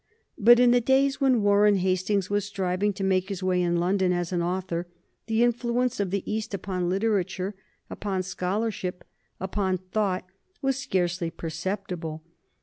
But in the days when Warren Hastings was striving to make his way in London as an author, the influence of the East upon literature, upon scholarship, upon thought, was scarcely perceptible.